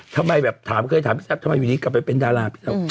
ทำไมแบบถามเคยถามพี่ทรัพย์ทำไมวันนี้กลับไปเป็นดารา